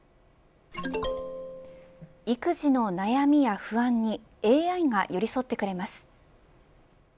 育児の悩みや不安にＡＩが寄り添ってくれます。